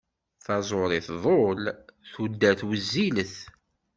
Taẓuri tḍul, tudert wezzilet.